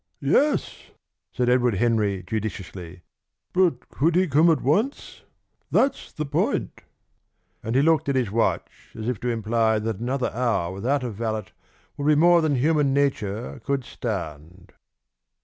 "Yes," said Edward Henry judiciously. "But could he come at once? That's the point." And he looked at his watch, as if to imply that another hour without a valet would be more than human nature could stand.